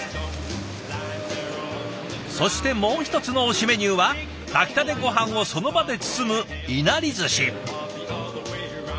そしてもう一つの推しメニューは炊きたてごはんをその場で包むいなりずし。